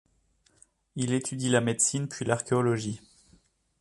Il étudie la médecine puis l'archéologie.